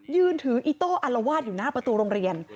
ยืนถืออิโต้อัลวาดอยู่หน้าประตูโรงเรียน